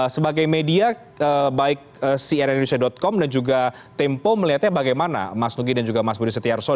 sebagai media baik cnn indonesia com dan juga tempo melihatnya bagaimana mas nugi dan juga mas budi setiarso